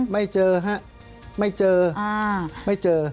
ไม่เจอครับไม่เจอ